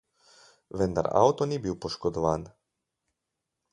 Vendar avto ni bil poškodovan.